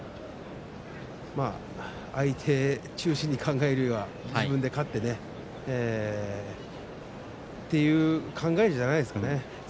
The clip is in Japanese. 相手中心に考えるよりは自分で勝ってっていう考えじゃないですかね。